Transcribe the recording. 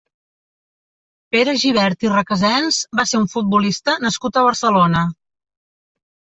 Pere Gibert i Requesens va ser un futbolista nascut a Barcelona.